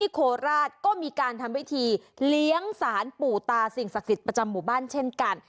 โคราชก็มีการทำพิธีเลี้ยงสารปู่ตาสิ่งศักดิ์สิทธิ์ประจำหมู่บ้านเช่นกัน